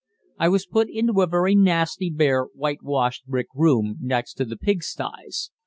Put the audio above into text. I was put into a very nasty, bare, whitewashed brick room, next the pigsties.